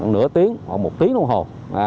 nửa tiếng hoặc một tiếng đồng hồ